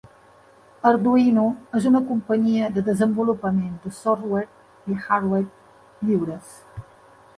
Arduino és una companyia de desenvolupament de software i hardware lliures.